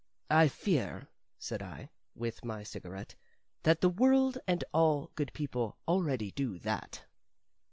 "I fear," said I, with my cigarette, "that the world and all good people already do that."